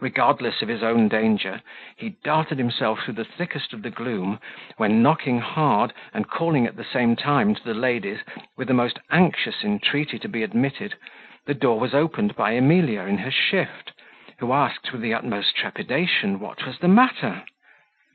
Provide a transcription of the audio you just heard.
Regardless of his own danger, he darted himself through the thickest of the gloom, when knocking hard, and calling at the same time to the ladies, with the most anxious entreaty to be admitted, the door was opened by Emilia in her shift, who asked, with the utmost trepidation, what was the matter?